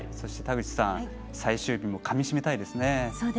田口さん、最終日かみしめたいですね。